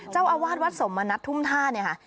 เจ้าอาวาสวัดสมณัฐทุ่มท่าเนี่ยค่ะ